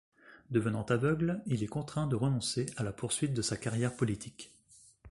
Devenant aveugle, il est contraint de renoncer à la poursuite de sa carrière politique.